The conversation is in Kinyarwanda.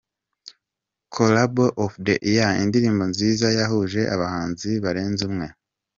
Collabo of the year: Indirimbo nziza yahuje abahanzi barenze umwe.